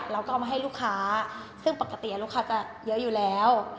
เอามาให้ลูกค้าซึ่งปกติลูกค้าจะเยอะอยู่แล้ว